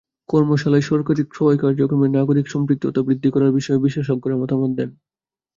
কর্মশালায় সরকারি ক্রয় কার্যক্রমে নাগরিক সম্পৃক্ততা বৃদ্ধি করার বিষয়ে বিশেষজ্ঞরা মতামত দেন।